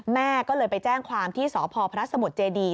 แม่ก็เลยไปแจ้งความที่สพสมเจดี